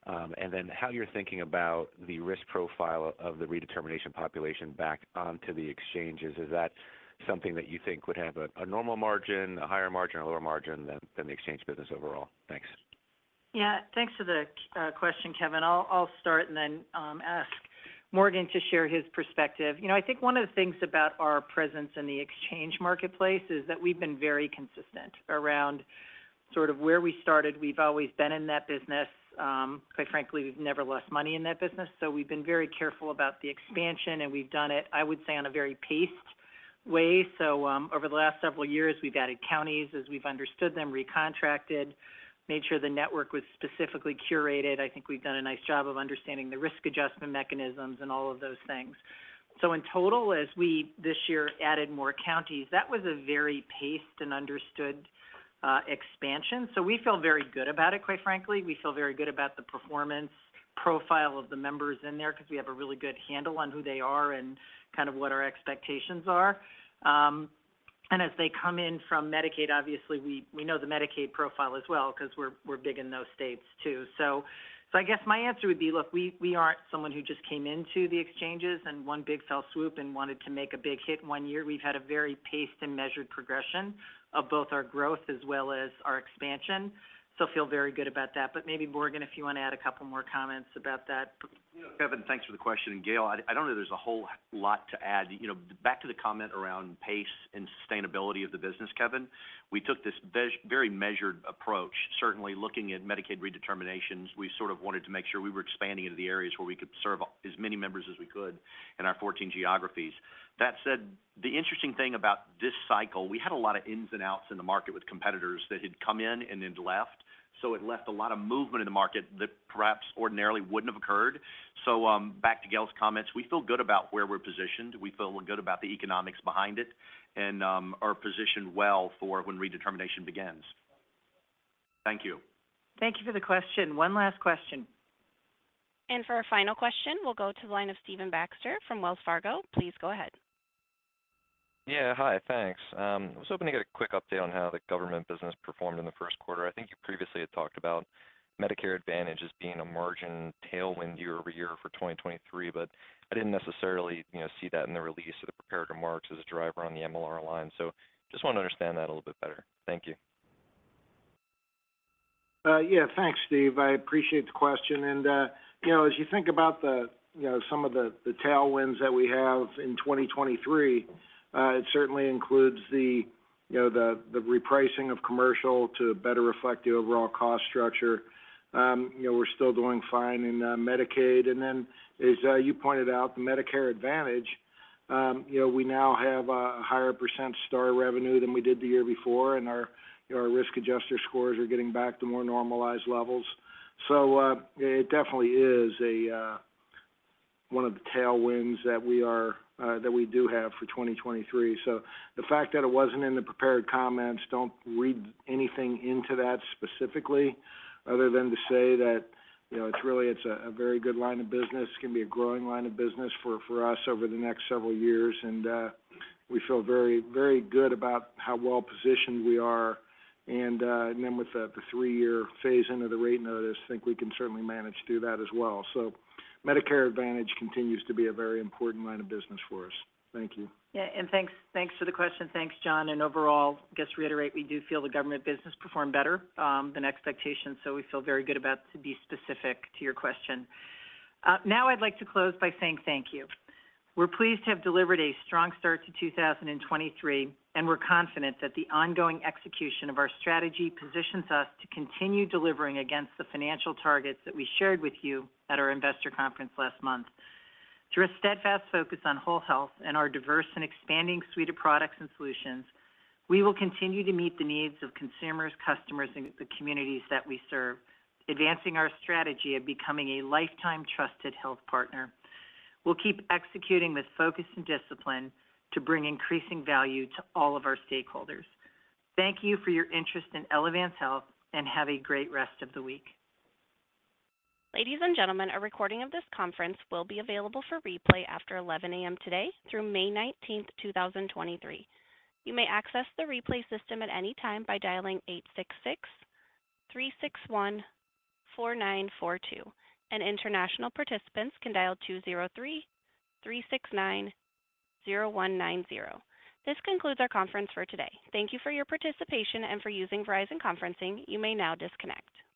and then how you're thinking about the risk profile of the redetermination population back onto the exchanges. Is that something that you think would have a normal margin, a higher margin, a lower margin than the exchange business overall? Thanks. Yeah. Thanks for the question, Kevin. I'll start and then ask Morgan to share his perspective. You know, I think one of the things about our presence in the exchange marketplace is that we've been very consistent around sort of where we started. We've always been in that business. Quite frankly, we've never lost money in that business. We've been very careful about the expansion, and we've done it, I would say, in a very paced way. Over the last several years, we've added counties as we've understood them, re-contracted, made sure the network was specifically curated. I think we've done a nice job of understanding the risk adjustment mechanisms and all of those things. In total, as we this year added more counties, that was a very paced and understood expansion. We feel very good about it, quite frankly. We feel very good about the performance profile of the members in there 'cause we have a really good handle on who they are and kind of what our expectations are. As they come in from Medicaid, obviously we know the Medicaid profile as well 'cause we're big in those states too. I guess my answer would be, look, we aren't someone who just came into the exchanges in one big fell swoop and wanted to make a big hit in one year. We've had a very paced and measured progression of both our growth as well as our expansion. Feel very good about that. Maybe, Morgan, if you wanna add a couple more comments about that. Kevin, thanks for the question. Gail, I don't know there's a whole lot to add. You know, back to the comment around pace and sustainability of the business, Kevin, we took this very measured approach. Certainly looking at Medicaid redeterminations, we sort of wanted to make sure we were expanding into the areas where we could serve as many members as we could in our 14 geographies. That said, the interesting thing about this cycle, we had a lot of ins and outs in the market with competitors that had come in and then left. It left a lot of movement in the market that perhaps ordinarily wouldn't have occurred. Back to Gail's comments, we feel good about where we're positioned. We feel good about the economics behind it and are positioned well for when redetermination begins. Thank you. Thank you for the question. One last question. For our final question, we'll go to the line of Stephen Baxter from Wells Fargo. Please go ahead. Yeah. Hi, thanks. I was hoping to get a quick update on how the government business performed in the first quarter. I think you previously had talked about Medicare Advantage as being a margin tailwind year-over-year for 2023, but I didn't necessarily, you know, see that in the release of the prepared remarks as a driver on the MLR line. Just wanted to understand that a little bit better. Thank you. Yeah. Thanks, Steve. I appreciate the question. You know, as you think about the, you know, some of the tailwinds that we have in 2023, it certainly includes the, you know, the repricing of commercial to better reflect the overall cost structure. You know, we're still doing fine in Medicaid. As you pointed out, the Medicare Advantage, you know, we now have a higher % star revenue than we did the year before, and our, you know, our risk adjuster scores are getting back to more normalized levels. It definitely is one of the tailwinds that we are that we do have for 2023. The fact that it wasn't in the prepared comments, don't read anything into that specifically other than to say that, you know, it's really, a very good line of business. It's going to be a growing line of business for us over the next several years. We feel very good about how well-positioned we are. With the thee-year phase into the rate notice, I think we can certainly manage through that as well. Medicare Advantage continues to be a very important line of business for us. Thank you. Yeah. Thanks for the question. Thanks, John. Overall, just reiterate, we do feel the government business performed better than expectations, so we feel very good about to be specific to your question. Now I'd like to close by saying thank you. We're pleased to have delivered a strong start to 2023, and we're confident that the ongoing execution of our strategy positions us to continue delivering against the financial targets that we shared with you at our investor conference last month. Through a steadfast focus on whole health and our diverse and expanding suite of products and solutions, we will continue to meet the needs of consumers, customers, and the communities that we serve, advancing our strategy of becoming a lifetime trusted health partner. We'll keep executing with focus and discipline to bring increasing value to all of our stakeholders. Thank you for your interest in Elevance Health, and have a great rest of the week. Ladies and gentlemen, a recording of this conference will be available for replay after 11:00 A.M. today through 19 May 2023. You may access the replay system at any time by dialing 866-361-4942, and international participants can dial 203-369-0190. This concludes our conference for today. Thank you for your participation and for using Verizon Conferencing. You may now disconnect.